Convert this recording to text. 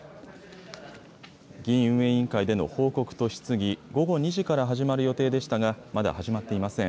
議院運営委員会での報告と質疑、午後２時から始まる予定でしたが、まだ始まっていません。